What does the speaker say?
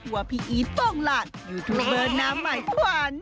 ว่าพี่อีทโป้งหลานยูทูปเบอร์น้ำใหม่ขวานน้ำหวาน